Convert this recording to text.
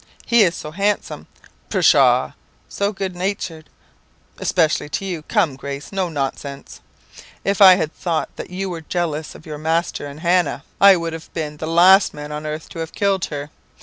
"'He is so handsome!' "'Pshaw!' "'So good natured!' "'Especially to you. Come, Grace; no nonsense. If I had thought that you were jealous of your master and Hannah, I would have been the last man on earth to have killed her.